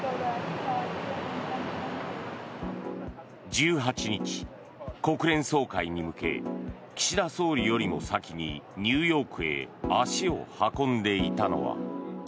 １８日、国連総会に向け岸田総理よりも先にニューヨークへ足を運んでいたのは。